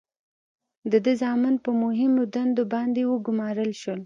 د ده زامن په مهمو دندو باندې وګمارل شول.